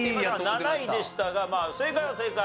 ７位でしたがまあ正解は正解。